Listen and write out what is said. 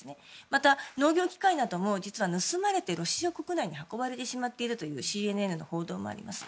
また、農業機械なども実は盗まれてロシア国内に運ばれてしまっているというＣＮＮの報道もあります。